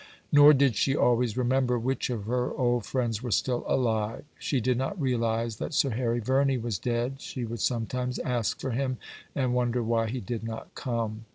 Nor did she always remember which of her old friends were still alive. She did not realize that Sir Harry Verney was dead, she would sometimes ask for him, and wonder why he did not come.